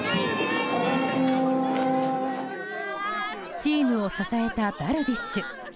チームを支えたダルビッシュ。